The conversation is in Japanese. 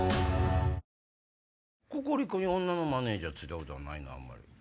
ココリコに女のマネジャーついたことはないの？